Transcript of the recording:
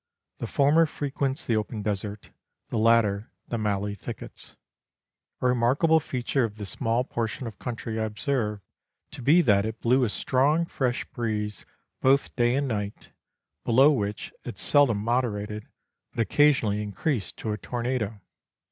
The former frequents the open desert, the latter the mallee thickets. A remarkable feature of this small portion of country I observed to be that it blew a strong fresh breeze both day and night, beloAV which it seldom moderated, but occasionally increased to a tornado.